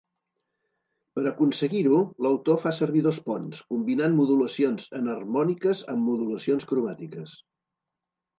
Per aconseguir-ho l'autor fa servir dos ponts, combinant modulacions enharmòniques amb modulacions cromàtiques.